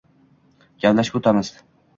— Gaplashib o‘tiramiz.